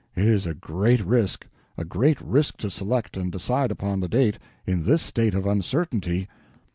It is a great risk—a great risk to select and decide upon the date, in this state of uncertainty."